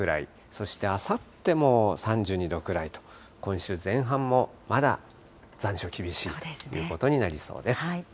そして、あさっても３２度くらいと、今週前半もまだ残暑厳しいということになりそうです。